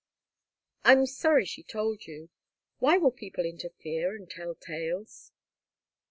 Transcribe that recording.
"I'm sorry she told you. Why will people interfere and tell tales?"